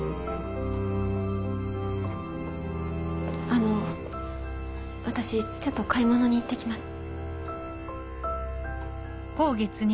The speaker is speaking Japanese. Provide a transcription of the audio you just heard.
あの私ちょっと買い物に行って来ます。